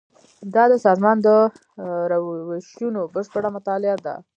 دا د سازمان د روشونو بشپړه مطالعه ده.